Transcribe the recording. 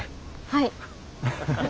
はい。